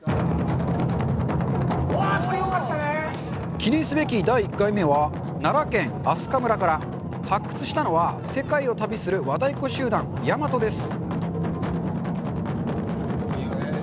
記念すべき第１回目は奈良県明日香村から発掘したのは世界を旅する和太鼓集団・倭−ＹＡＭＡＴＯです